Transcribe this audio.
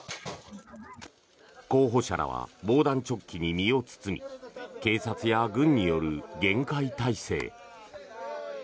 候補者らは防弾チョッキに身を包み警察や軍による厳戒態勢。